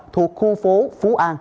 thuộc khu phố phú an